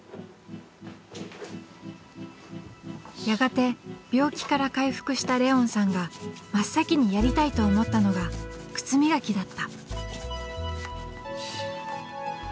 やがて病気から回復したレオンさんが真っ先にやりたいと思ったのが靴磨きだった。